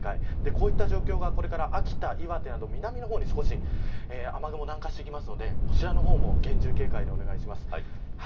こういった状況が秋田、岩手など南の方に南下してきますのでこちらの方も厳重警戒でお願いします。